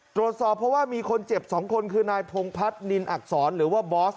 ตรวจสอบเพราะว่ามีคนเจ็บ๒คนคือนายพงพัฒนินอักษรหรือว่าบอส